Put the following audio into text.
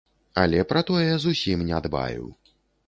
Але пра тое зусім не дбаю.